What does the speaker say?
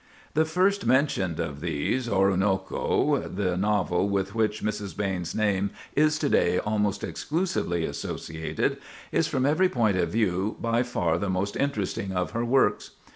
The first mentioned of these—"Oroonoko," the novel with which Mrs. Behn's name is to day almost exclusively associated—is from every point of view by far the most interesting of her works.